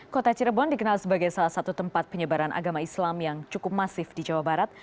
kota cirebon dikenal sebagai salah satu tempat penyebaran agama islam yang cukup masif di jawa barat